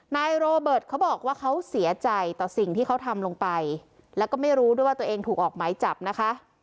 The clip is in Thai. นายโรเบิร์ตเขาบอกว่าเขาเสียใจต่อสิ่งที่เขาทำลงไปแล้วก็ไม่รู้ด้วยว่าตัวเองถูกออกหมายจับนะคะ